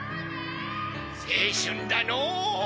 青春だのう。